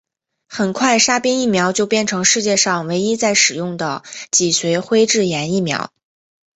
很快沙宾疫苗就变成世界上唯一在使用的脊髓灰质炎疫苗。